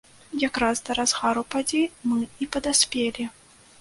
Якраз да разгару падзей мы і падаспелі.